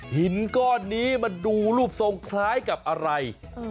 หินก้อนนี้มันดูรูปทรงคล้ายกับอะไร